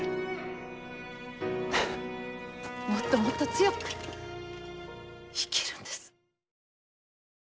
もっともっと強く生きるんです。